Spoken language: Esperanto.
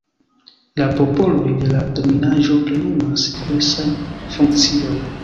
La popoloj de la dominaĵo plenumas diversajn funkciojn.